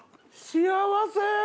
幸せ。